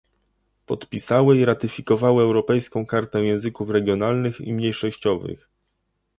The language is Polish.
podpisały i ratyfikowały Europejską kartę języków regionalnych i mniejszościowych,